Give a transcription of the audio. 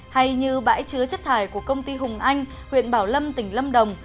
hay như bãi chứa chất thải của công ty hùng anh huyện bảo lâm tỉnh lâm đồng